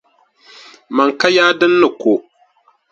Mani ka yaa din ni ko.